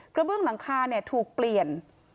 กระเบื้องหลังคาเนี่ยถูกเปลี่ยน